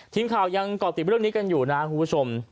ทีมข่าวยังเกาะติดเรื่องนี้กันอยู่นะคุณผู้ชม